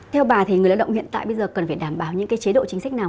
theo bà thì người lao động hiện tại bây giờ cần phải đảm bảo những chế độ chính sách nào